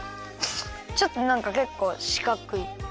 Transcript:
ちょっとなんかけっこうしかくい。